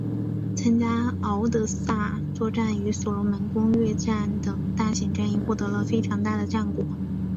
参加敖德萨作战与所罗门攻略战等大型战役获得了非常大的战果。